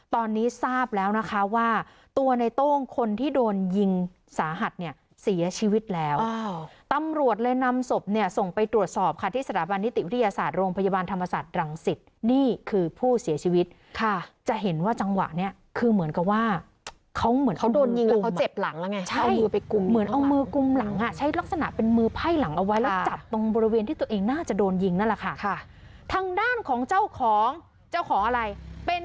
ตอนนี้ทราบแล้วนะคะว่าตัวในต้งคนที่โดนยิงสาหัสเนี่ยเสียชีวิตแล้วตำรวจเลยนำศพเนี่ยส่งไปตรวจสอบค่ะที่สถาบันนิติวิทยาศาสตร์โรงพยาบาลธรรมศาสตร์ดรังสิทธิ์นี่คือผู้เสียชีวิตค่ะจะเห็นว่าจังหวะเนี่ยคือเหมือนกับว่าเขาเหมือนเขาโดนยิงแล้วเขาเจ็บหลังแล้วไงใช่เอามื